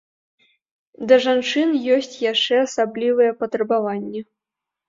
Да жанчын ёсць яшчэ асаблівыя патрабаванні.